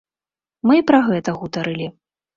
Мы і пра гэта гутарылі.